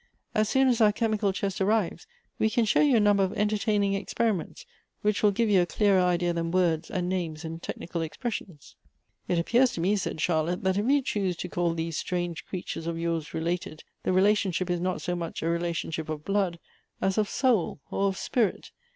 As soon as our chemical chest arrives, we can show you a number of entertaining experiments, which will give you a clearer idea than words, and names, and technical expressions." " It appears to me," said Charlotte, " that if you choose to call these strange creatures of yours related, the rela tionship is not so much a relationship of blood, as of soul or of spirit.